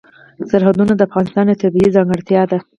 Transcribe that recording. سرحدونه د افغانستان یوه طبیعي ځانګړتیا ده.